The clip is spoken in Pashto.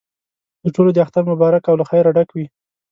د ټولو دې اختر مبارک او له خیره ډک وي.